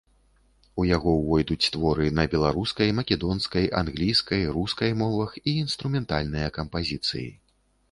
У яго увойдуць творы на беларускай, македонскай, англійскай, рускай мовах і інструментальныя кампазіцыі.